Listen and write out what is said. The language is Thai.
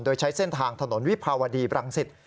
โดยใช้เส้นทางถนนวิภาวดีบรังสิต